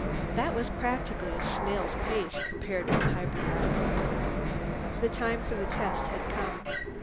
That was practically a snail's pace, compared with hyperdrive. The time for the test had come.